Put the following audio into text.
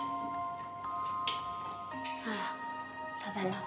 ほら食べな